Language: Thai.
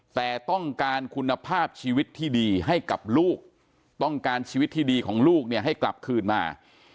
แต่ต้องการคุณภาพชีวิตที่ดีให้กับลูกต้องการชีวิตที่ดีของลูกเนี่ยให้กลับคืนมา